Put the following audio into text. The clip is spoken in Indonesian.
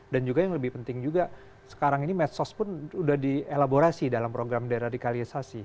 dan juga yang lebih penting juga sekarang ini medsos pun sudah dielaborasi dalam program deradikalisasi